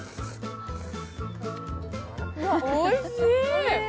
あ、おいしい。